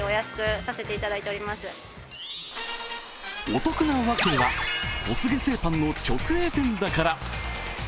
お得なわけは小菅製パンの直営店だから。